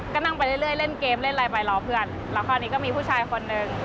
ก็นั่งไปเรื่อยเล่นเกมเล่นอะไรไปรอเพื่อนแล้วคราวนี้ก็มีผู้ชายคนหนึ่ง